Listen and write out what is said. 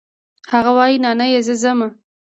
هغه وايي نانيه زه ځمه.